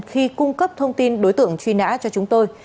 khi cung cấp thông tin đối tượng truy nã cho chúng tôi